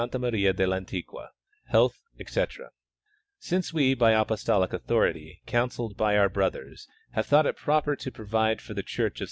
Maria del Antiqua, health, etc : Since Ave by apostolic authority, counselled by our brothers, have thought it proper to provide for the church of S.